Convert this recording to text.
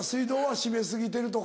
閉め過ぎてるとか。